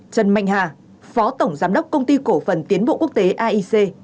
trần mạnh hà phó tổng giám đốc công ty cổ phần tiến bộ quốc tế aic